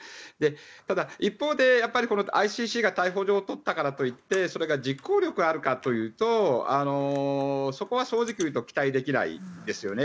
ただ、一方でＩＣＣが逮捕状を取ったからといってそれが実行力があるかというとそこは正直言うと期待できないですよね。